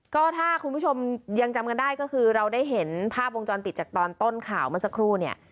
ก็ถ้าคุณผู้ชมยังจำกันได้ก็คือเราได้เห็นภาพวงจรปิดจากตอนต้นข่าวเมื่อสักครู่เนี่ย